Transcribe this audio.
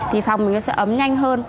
thì phòng mình sẽ ấm nhanh hơn